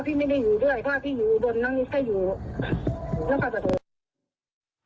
พ่อพี่ไม่ได้อยู่ด้วยพ่อพี่อยู่บนน้องนิส่าอยู่